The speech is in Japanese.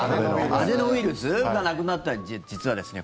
アデノウイルスがなくなっても実はですね